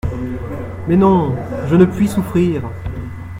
Mais non… je ne puis souffrir…